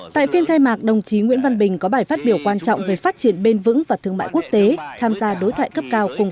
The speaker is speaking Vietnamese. tại phiên khai mạc đồng chí nguyễn văn bình có bài phát biểu quan trọng về phát triển bền vững và thương mại quốc tế tham gia đối thoại cấp cao